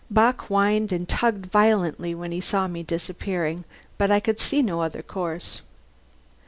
Bock whined and tugged violently when he saw me disappearing, but I could see no other course.